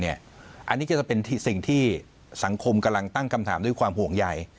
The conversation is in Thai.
อันนี้ก็จะเป็นสิ่งที่สังคมกำลังตั้งคำถามด้วยความห่วงใย